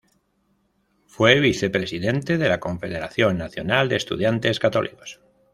Fue vicepresidente de la Confederación Nacional de Estudiantes Católicos.